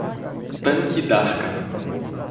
Tanque d'Arca